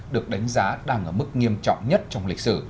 được đánh giá đang ở mức nghiêm trọng nhất trong lịch sử